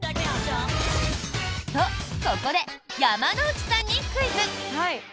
と、ここで山之内さんにクイズ。